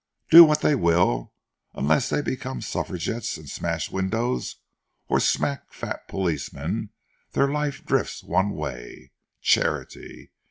Do what they will, unless they become suffragettes and smash windows or smack fat policemen, their life drifts one way. Charity?